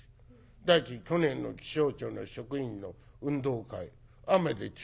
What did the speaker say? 第一去年の気象庁の職員の運動会雨で中止になったって。